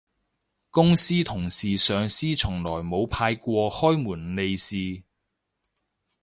公司同事上司從來冇派過開工利是